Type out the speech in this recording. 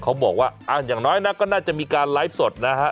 เขาบอกว่าอย่างน้อยนะก็น่าจะมีการไลฟ์สดนะฮะ